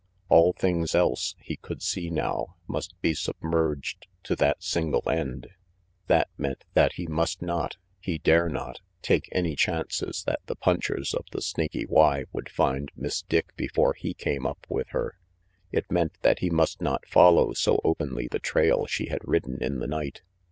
All things else, he could see now, must be submerged to that single end. That meant that he must not, he dare not, take any chances that the punchers of the Snaky Y would find Miss Dick before he came up with her. It meant that he must not follow so openly the trail she had ridden in the night.